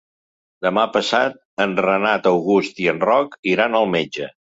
Demà passat en Renat August i en Roc iran al metge.